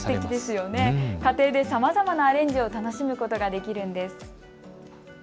家庭でさまざまなアレンジを楽しむことができるんです。